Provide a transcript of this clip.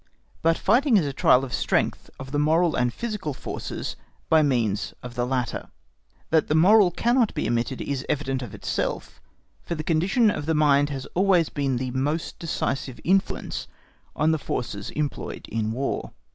But fighting is a trial of strength of the moral and physical forces by means of the latter. That the moral cannot be omitted is evident of itself, for the condition of the mind has always the most decisive influence on the forces employed in War.